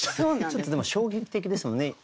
ちょっとでも衝撃的ですもんね。